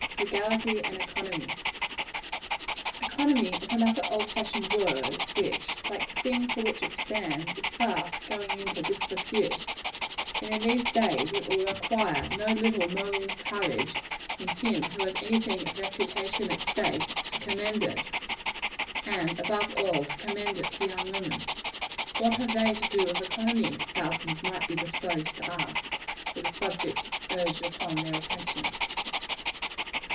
Frugality and economy of our grand mothers. Economy is another old fashioned word, which, like the thing for which it stands, is fast going into disrepute; and in these days, it will require no little moral courage in him who has any thing of reputation at stake, to commend it and above all, to commend it to young women. What have they to do with economy? thousands might be disposed to ask, were the subject urged upon their attention.